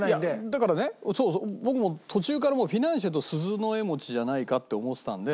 だからね僕も途中からフィナンシェと鈴乃○餅じゃないかって思ってたんで。